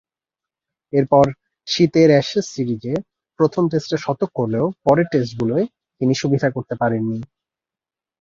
এরপর শীতের অ্যাশেজ সিরিজের প্রথম টেস্টে শতক করলেও পরের টেস্টগুলোয় তিনি সুবিধা করতে পারেননি।